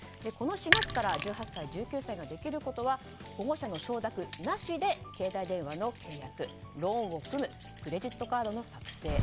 この４月から１８歳、１９歳ができることは保護者の承諾なしで携帯電話の契約ローンを組むクレジットカードの作成